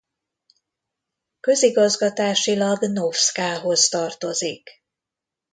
Közigazgatásilag Novszkához tartozik.